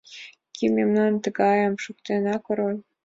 Кӧ мемнам тыгайыш шуктен, а, Король?